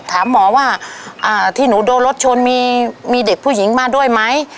ถามหมอว่าที่หนูโดนรถชนมีเด็กผู้หญิงมาด้วยไหม